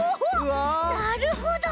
なるほど！